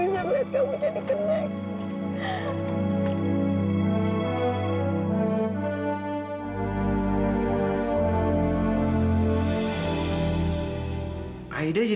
salah ngertiin aida bu